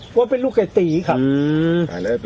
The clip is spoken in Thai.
พวกเป็นลูกไก่ตีครับ